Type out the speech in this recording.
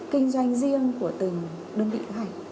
kinh doanh riêng của từng đơn vị lựa hành